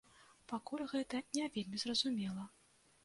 Пакуль гэта не вельмі зразумела.